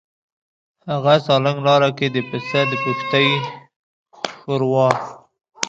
هغه سالنګ لاره کې د پسه د پښتۍ ښوروا.